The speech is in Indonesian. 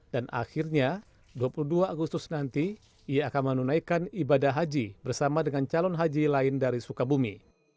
dan akhirnya dua puluh dua agustus nanti ia akan menunaikan ibadah haji bersama dengan calon haji lain dari sukabumi